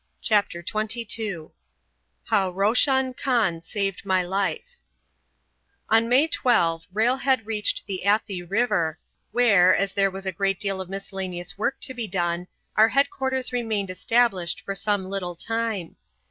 CHAPTER XXII HOW ROSHAN KHAN SAVED MY LIFE On May 12 railhead reached the Athi River, where, as there was a great deal of miscellaneous work to be done, our headquarters remained established for some little time.